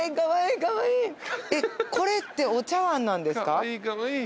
これってお茶わんなんですか？